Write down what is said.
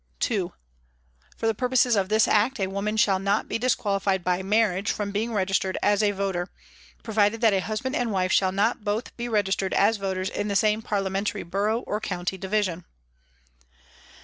" 2. For the purposes of this Act a woman shall not be disqualified by marriage from being registered as a voter, provided that a husband and wife shall not both be registered as voters in the same Parlia mentary borough or county division."